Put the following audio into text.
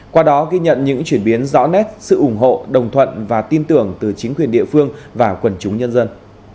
qua đó ghi nhận những chuyển biến rõ nét sự ủng hộ đồng thuận và tin tưởng từ chính quyền địa phương và quần chúng nhân dân